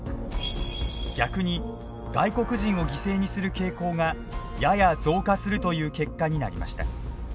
逆に外国人を犠牲にする傾向がやや増加するという結果になりました。